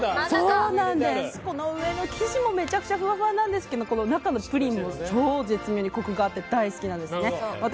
この上の生地もめちゃくちゃふわふわなんですけど中のプリンも絶妙にコクがあって大好きなんですね。